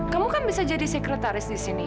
kamu kan bisa jadi sekretaris di sini